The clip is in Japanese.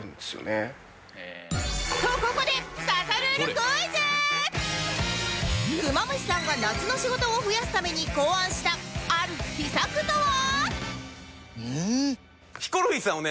クマムシさんが夏の仕事を増やすために考案したある秘策とは？